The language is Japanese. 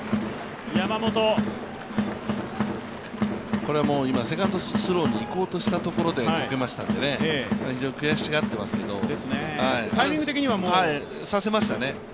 これはセカンドスローにいこうとしたところでこけましたんで、悔しがってますけど、タイミング的には刺せましたね。